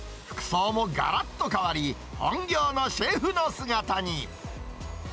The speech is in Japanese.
服装もがらっと変わり、本業のシェフの姿に。